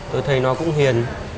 tôi thấy nó cũng hiền